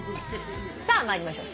さあ参りましょう。